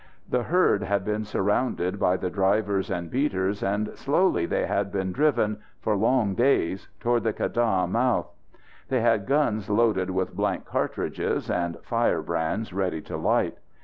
The herd had been surrounded by the drivers and beaters, and slowly they had been driven, for long days, toward the keddah mouth. They had guns loaded with blank cartridges, and firebrands ready to light.